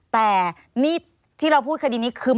แต่นี่ที่เราพูดคดีนี้คือ